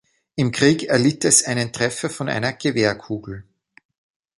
Im Krieg erlitt es einen Treffer von einer Gewehrkugel.